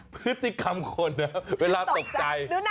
พฤติกรรมคนเวลาตกใจ